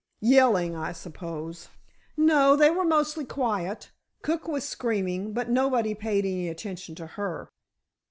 "Yelling, I suppose." "No; they were mostly quiet. Cook was screaming, but nobody paid any attention to her."